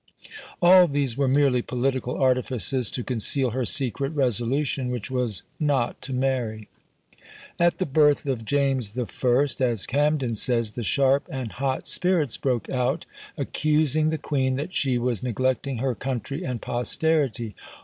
All these were merely political artifices, to conceal her secret resolution, which was, not to marry. At the birth of James I. as Camden says, "the sharp and hot spirits broke out, accusing the queen that she was neglecting her country and posterity."